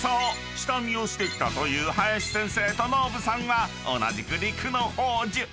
［下見をしてきたという林先生とノブさんは同じく陸乃宝珠］